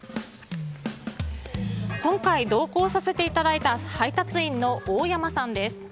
今回、同行させていただいた配達員の大山さんです。